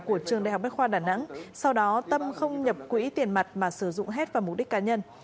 của trường đại học bách khoa đà nẵng sau đó tâm không nhập quỹ tiền mặt mà sử dụng hết vào mục đích cá nhân